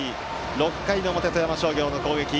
６回の表、富山商業の攻撃。